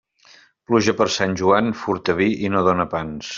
Pluja per Sant Joan, furta vi i no dóna pans.